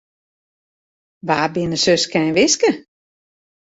Wa binne Suske en Wiske?